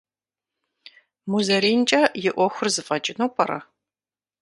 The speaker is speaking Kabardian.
МузэринкӀэ а Ӏуэхур зэфӀэкӀыну пӀэрэ?